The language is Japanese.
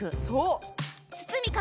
そう！